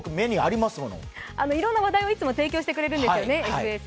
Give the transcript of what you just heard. いろんな話題をいつも提供してくれるんですよね。